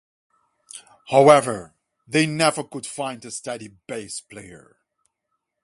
However, they never could find a steady bass player.